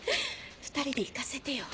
２人で行かせてよ。